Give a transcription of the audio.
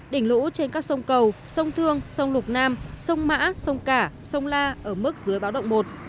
đỉnh lũ trên các sông cầu sông thương sông lục nam sông mã sông cả sông la ở mức dưới báo động một